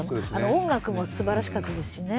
音楽もすばらしかったですしね。